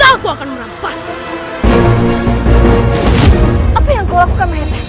apa yang telah kamu lakukan oleh itu